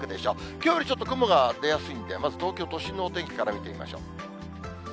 きょうよりちょっと雲が出やすいんで、まず東京都心のお天気から見てみましょう。